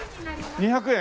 ２００円？